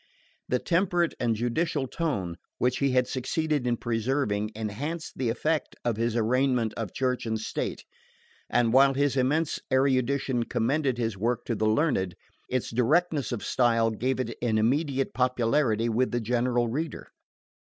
The temperate and judicial tone which he had succeeded in preserving enhanced the effect of his arraignment of Church and state, and while his immense erudition commended his work to the learned, its directness of style gave it an immediate popularity with the general reader.